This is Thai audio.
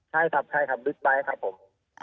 ใช่ครับยิทย์ไปล์ครับผม